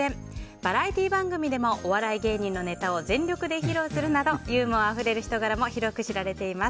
バラエティー番組でもお笑い芸人のネタを全力で披露するなどユーモアあふれる人柄も広く知られています。